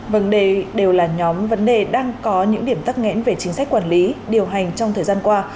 vấn đề đều là nhóm vấn đề đang có những điểm tắc nghẽn về chính sách quản lý điều hành trong thời gian qua